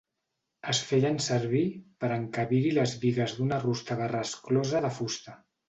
Es feien servir per encabir-hi les bigues d'una rústega resclosa de fusta.